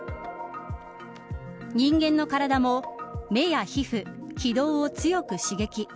人間の体も目や皮膚、気道を強く刺激。